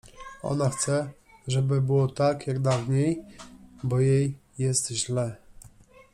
Ona chce, żeby było tak, jak dawniej, bo jej jest źle.